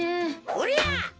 おりゃあ！